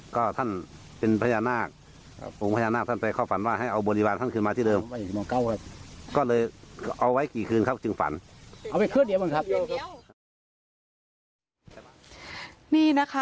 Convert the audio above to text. ก็เลยเอาไว้ไว้กี่ฟัน